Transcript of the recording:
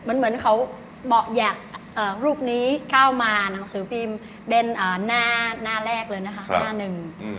มันเหมือนเขาบอกอยากรูปนี้เข้ามาหนังสือพิมพ์เป็นหน้าแรกเลยนะคะหน้าหนึ่ง